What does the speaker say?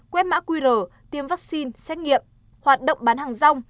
quét mã qr tiêm vaccine xét nghiệm hoạt động bán hàng rong